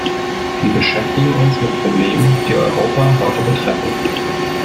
Wir beschäftigen uns mit Problemen, die Europa heute betreffen.